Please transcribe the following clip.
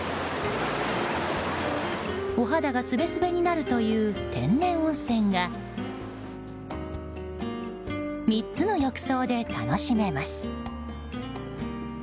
お肌がすべすべになるという天然温泉が３つの浴槽で楽しめます。